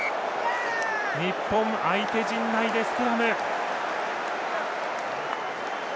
日本、相手陣内でスクラム。